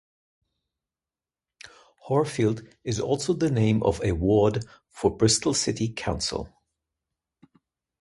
Horfield is also the name of a ward for Bristol City Council.